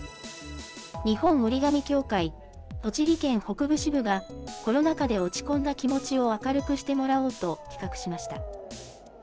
日本折紙協会栃木県北部支部が、コロナ禍で落ち込んだ気持ちを明るくしてもらおうと企画しました。